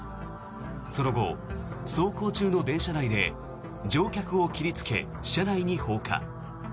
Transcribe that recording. その後、走行中の電車内で乗客を切りつけ車内に放火。